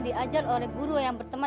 semangatnya semua tuhan yang kuat perhiasan